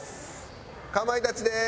かまいたちです！